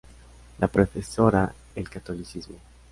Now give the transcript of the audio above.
Le profesa el catolicismo.